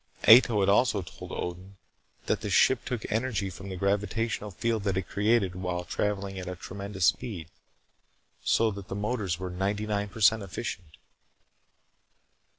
Ato had also told Odin that the ship took energy from the gravitational field that it created when traveling at tremendous speeds, so that the motors were 99% efficient.